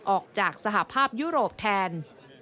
ออกจากสหภาพยุโรปแทน